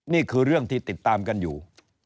นี่คือเรื่องที่ติดตามกันอยู่